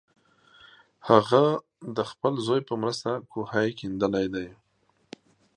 هغه د خپل زوی په مرسته کوهی کیندلی دی.